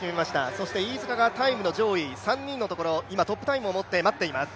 そして飯塚がタイムの上位３人のところ、今、トップタイムを持って待っています。